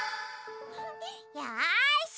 よし！